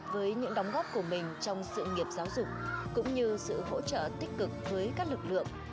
với những đóng góp của mình trong sự nghiệp giáo dục cũng như sự hỗ trợ tích cực với các lực lượng